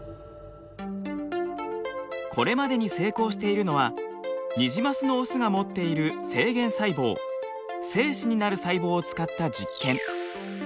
これまでに成功しているのはニジマスのオスが持っている精原細胞精子になる細胞を使った実験。